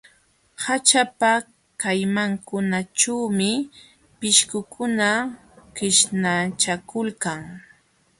Haćhapa kallmankunaćhuumi pishqukuna qishnachakulkan.